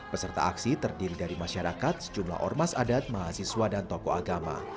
peserta aksi terdiri dari masyarakat sejumlah ormas adat mahasiswa dan tokoh agama